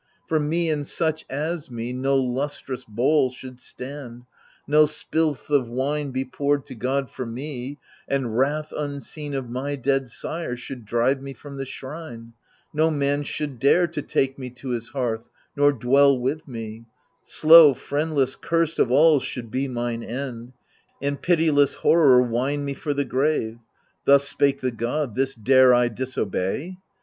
For me and such as me no lustral bowl Should stand, no spilth of wine be poured to God For me, and wrath unseen of my dead sire Should drive me from the shrine ; no man should dare To take me to his hearth, nor dwell with me : Slow, friendless, cursed of all should be mine end, And pitiless ^ horror wind me for the grave. This spake the god — this dare I disobey